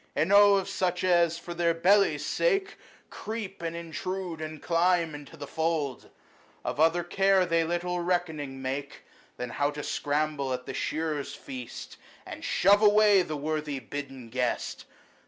Enow of such as, for their bellies' sake, Creep, and intrude, and climb into the fold ! Of other care they little reckoning make Than how to scramble at the shearers' feast, And shove away the worthy bidden guest.